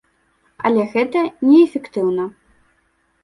Але гэта не эфектыўна.